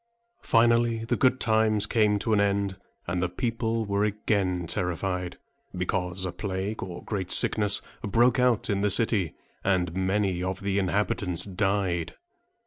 Finally the good times came to an end; and the people were again terrified, because a plague, or great sickness, broke out in the city, and many of the inhabitants died.